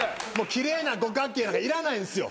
奇麗な五角形なんかいらないんですよ。